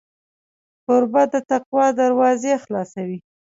کوربه د تقوا دروازې خلاصوي.